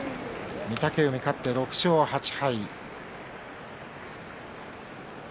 御嶽海、勝って６勝８敗。